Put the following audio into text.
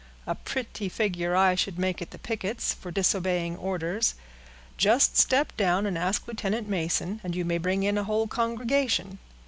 A pretty figure I should make at the pickets, for disobeying orders. Just step down and ask Lieutenant Mason, and you may bring in a whole congregation.